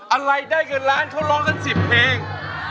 อะไรได้เงินล้านเขาร้องกัน๑๐เพลง